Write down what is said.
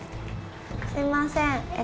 すいません。